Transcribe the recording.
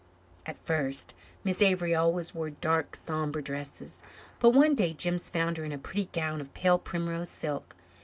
At first Miss Avery always wore dark sombre dresses. But one day Jims found her in a pretty gown of pale primrose silk.